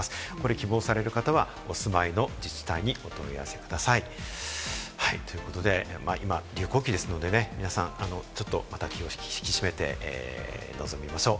これ希望される方は、お住まいの自治体にお問い合わせください。ということで今、流行期ですので、皆さん、ちょっとまた気を引き締めて臨みましょう。